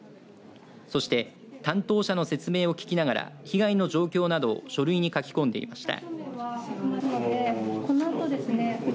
そして担当者の説明を聞きながら被害の状況などを書類に書き込んでいました。